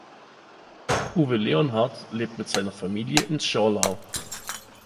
Uwe Leonhardt lebt mit seiner Familie in Zschorlau.